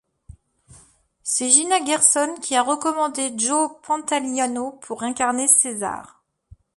C'est Gina Gershon qui a recommandé Joe Pantoliano pour incarner Caesar.